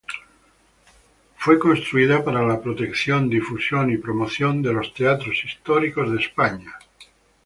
Fue constituida para la protección, difusión y promoción de los teatros históricos de España.